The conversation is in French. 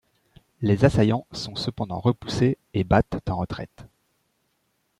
Les assaillants sont cependant repoussés et battent en retraite.